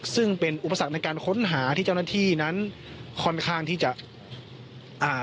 ซึ่งเป็นอุปสรรคในการค้นหาที่เจ้าหน้าที่นั้นค่อนข้างที่จะอ่า